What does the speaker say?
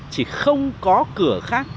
chỉ không có cửa khác